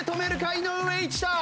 井上一太。